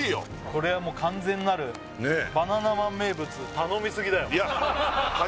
これはもう完全なるバナナマン名物頼みすぎだよいや始まったね